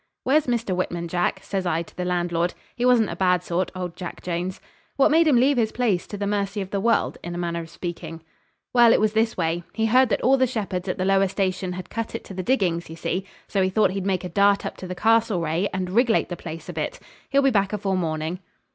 'Where's Mr. Whitman, Jack?' says I to the landlord (he wasn't a bad sort, old Jack Jones). 'What made him leave his place to the mercy of the world, in a manner of speaking?' 'Well, it was this way. He heard that all the shepherds at the lower station had cut it to the diggings, ye see; so he thought he'd make a dart up to the Castlereagh and rig'late the place a bit. He'll be back afore morning.'